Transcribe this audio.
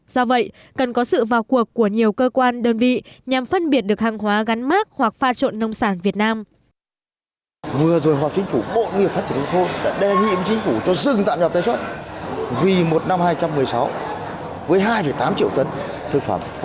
do vậy cần có sự vào cuộc của nhiều cơ quan đơn vị nhằm phân biệt được hàng hóa gắn mát hoặc pha trộn nông sản việt nam